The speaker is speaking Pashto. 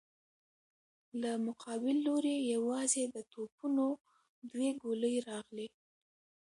له مقابل لورې يواځې د توپونو دوې ګولۍ راغلې.